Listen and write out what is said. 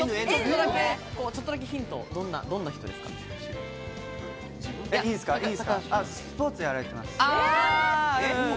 ちょっとだけヒント、どんなスポーツやられてます。